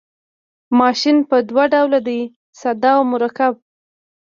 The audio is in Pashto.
ماشین په دوه ډوله دی ساده او مرکب.